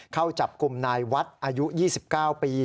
เข้าจับกลุ่มนายวัดอายุ๒๙ปี